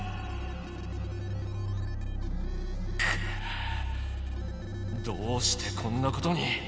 くっどうしてこんなことに。